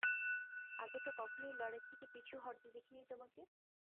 আগে তো কখনো লড়াই থেকে পিছু হঁটতে দেখিনি তোমাকে।